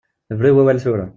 Bru i wawal tura.